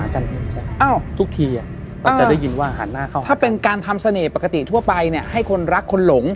ถ้าเป็นการทำเสน่ห์ปกติทั่วไปให้คนรักคนหลง